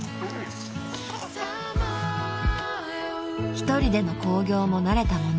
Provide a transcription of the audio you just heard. ［一人での興行も慣れたもの］